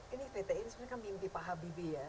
ini ptdi ini mimpi pak habibie ya